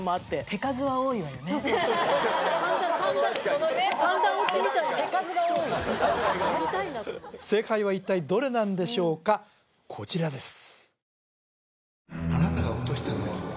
手数が多い正解は一体どれなんでしょうかこちらです